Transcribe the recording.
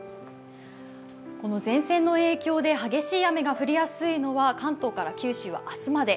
この前線の影響で激しい雨が降りやすいのは関東から九州まで明日まで。